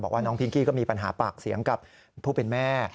ว่าน้องพิงกี้ก็มีปัญหาปากเสียงกับผู้เป็นแม่